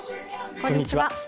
こんにちは。